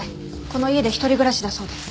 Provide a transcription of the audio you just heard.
この家で一人暮らしだそうです。